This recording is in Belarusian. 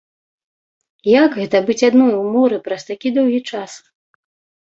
Як гэта быць адной у моры праз такі доўгі час?